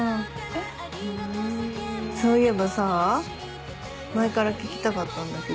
そういえばさ前から聞きたかったんだけど。